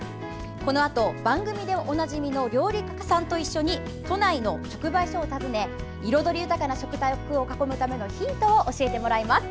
このあと、番組でおなじみの料理家さんと一緒に都内の直売所を訪ね彩り豊かな食卓を囲むためのヒントを教えてもらいます。